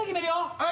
はい。